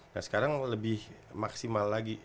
nah sekarang lebih maksimal lagi